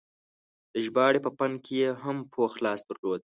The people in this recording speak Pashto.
د ژباړې په فن کې یې هم پوخ لاس درلود.